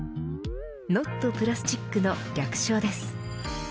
ノット・プラスチックの略称です。